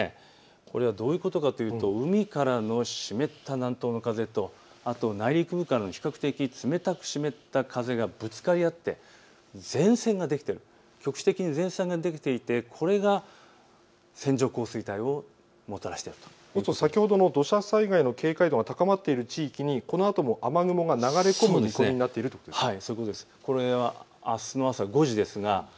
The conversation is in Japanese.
これはどういうことかというと海からの湿った南東の風と内陸部からの比較的冷たく湿った風がぶつかり合って前線ができている、局地的に前線ができていてこれが線状降水帯をもたらしているという、先ほどの土砂災害の警戒度が高まっている地域、このあとも雨雲が流れ込む見込みになっているということですね。